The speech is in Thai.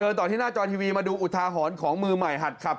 ต่อที่หน้าจอทีวีมาดูอุทาหรณ์ของมือใหม่หัดขับ